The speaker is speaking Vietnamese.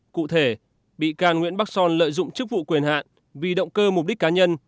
cụ thể bị can nguyễn bắc son lợi dụng chức vụ quyền hạn vì động cơ mục đích cá nhân